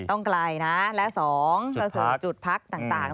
ไกลนะและ๒ก็คือจุดพักต่าง